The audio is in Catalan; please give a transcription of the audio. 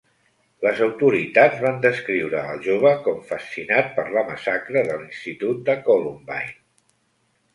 Les autoritats van descriure al jove com fascinat per la massacre de l'institut de Columbine.